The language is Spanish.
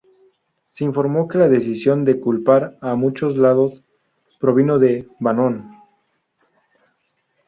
Se informó que la decisión de culpar a "muchos lados" provino de Bannon.